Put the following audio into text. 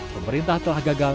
pemerintah telah gagal